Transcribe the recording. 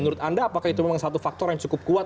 menurut anda apakah itu memang satu faktor yang cukup kuat